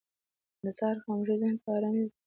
• د سهار خاموشي ذهن ته آرام ورکوي.